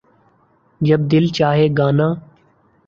جب دل چاھے گانا